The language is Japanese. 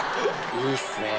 いいですね。